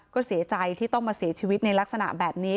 ก็เสียใจที่ต้องมาเสียชีวิตในลักษณะแบบนี้